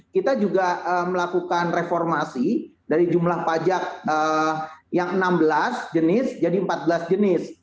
kita juga melakukan reformasi dari jumlah pajak yang enam belas jenis jadi empat belas jenis